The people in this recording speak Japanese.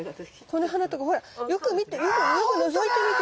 この花とかほらよく見てよくのぞいてみてよ。